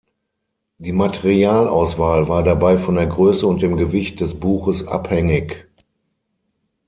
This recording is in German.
Die Materialauswahl war dabei von der Größe und dem Gewicht des Buches abhängig.